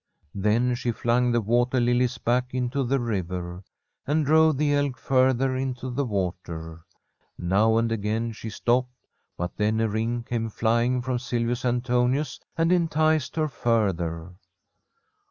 Then she flung the water lilies back into the river and drove the elk further into the water. Now and again she stopped, but then a ring came flying from Silvius Antonius, and enticed her further.